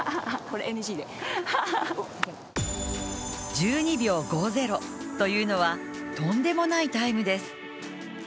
１２秒５０というのは、とんでもないタイムです。